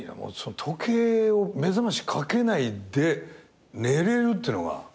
時計を目覚ましかけないで寝れるっていうのが。